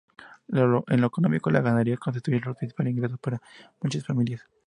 En lo económico la ganadería constituye el principal ingreso para muchas familias.